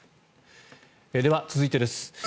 では、続いてです。